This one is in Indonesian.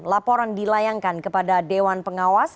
laporan dilayangkan kepada dewan pengawas